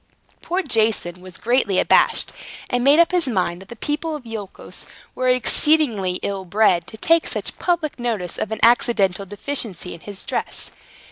Poor Jason was greatly abashed, and made up his mind that the people of Iolchos were exceedingly ill bred, to take such public notice of an accidental deficiency in his dress.